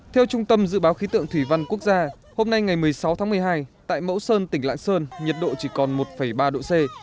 theo trung tâm dự báo khí tượng thủy văn quốc gia hôm nay ngày một mươi sáu tháng một mươi hai tại mẫu sơn tỉnh lạng sơn nhiệt độ chỉ còn một ba độ c